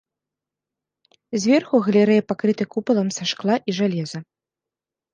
Зверху галерэя пакрыта купалам са шкла і жалеза.